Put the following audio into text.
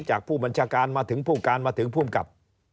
จากผู้บัญชาการมาถึงผู้การมาถึงภูมิกับ